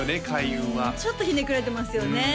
開運はちょっとひねくれてますよね